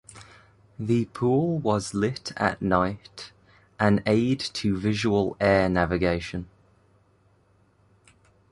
The pool was lit at night - an aid to visual air navigation.